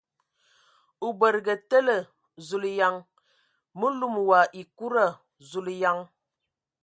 O badǝgǝ tele ! Zulǝyan ! Mǝ lum wa ekuda ! Zuleyan !